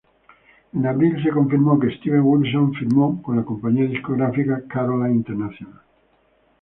En abril, se confirmó que Steven Wilson firmó con la compañía discográfica Caroline International.